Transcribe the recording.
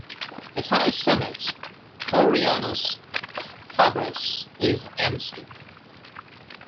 Its highest summit, "Pourianos Stavros", is amsl.